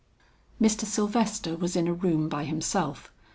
Mr. Sylvester was in a room by himself.